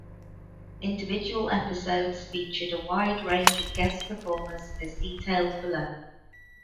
Individual episodes featured a wide range of guest performers, as detailed below.